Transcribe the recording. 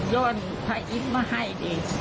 ยนพระอิทธิ์มาให้ดิ